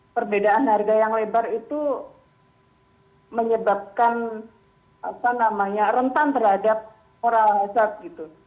perbedaan harga yang lebar itu menyebabkan rentan terhadap moral hasrat gitu